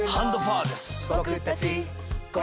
ハンドパワーです。